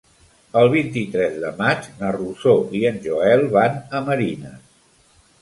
El vint-i-tres de maig na Rosó i en Joel van a Marines.